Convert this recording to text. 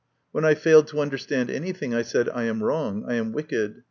When I failed to understand anything, I said, " I am wrong, I am wicked."